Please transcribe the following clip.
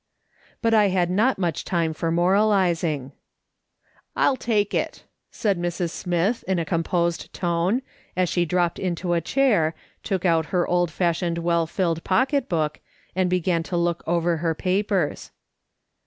But I had not much time for moralising. " I'll take it," said Mrs. Smith, in a composed tone, and she dropped into a chair, took out her old fashioned well filled pocket book, and began to look over her papers.